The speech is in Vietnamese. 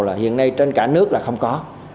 là hiện nay trên cả nước là không có